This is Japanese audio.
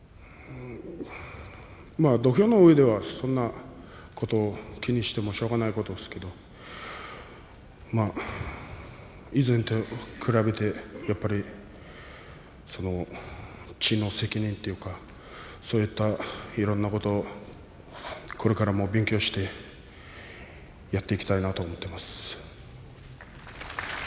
土俵の上ではそんなにそんなことは気にしてもしょうがないことですけれど以前と比べてやっぱり地位の責任というかそういったいろんなことをこれからも勉強してやっていきたいなと思っています。